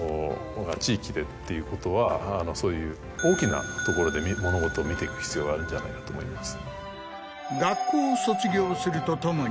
そういう大きなところで物事を見ていく必要があるんじゃないかと思います。